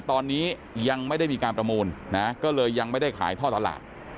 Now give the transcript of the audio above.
ตอนนี้ยังไม่ได้มีการประมูลนะก็เลยยังไม่ได้ขายท่อตลาด